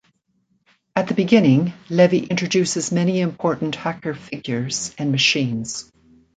At the beginning, Levy introduces many important hacker figures and machines.